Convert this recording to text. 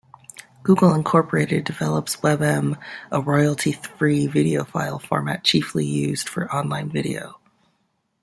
Google Incorporated develops WebM, a royalty-free video file format chiefly used for online video.